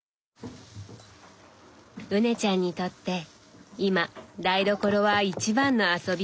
羽根ちゃんにとって今台所は一番の遊び場なんだね。